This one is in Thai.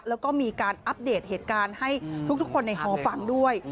แล้วก็มีการอัปเดตเหตุการณ์ให้ทุกคนในฮอฟังด้วย